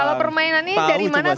kalau permainannya dari mana tau gak